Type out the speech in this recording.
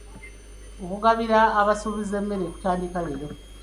Okugabira abasuubuzi emmere kutandika leero.